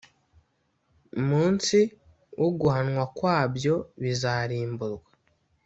munsi wo guhanwa kwabyo bizarimbuka